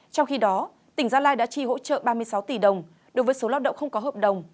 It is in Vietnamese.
trong khi đó tỉnh gia lai đã chi hỗ trợ ba mươi sáu tỷ đồng đối với số lao động không có hợp đồng